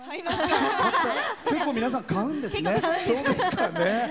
結構、皆さん買うんですね。